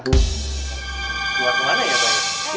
keluar kemana ya